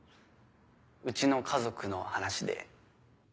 うちの家族の話で。